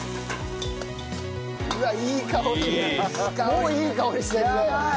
もういい香りしてるね。